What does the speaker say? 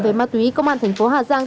về ma túy công an thành phố hà giang